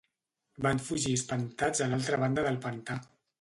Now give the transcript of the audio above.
Van fugir espantats a l'altra banda del pantà.